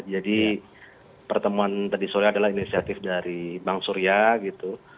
jadi pertemuan tadi sore adalah inisiatif dari bang surya gitu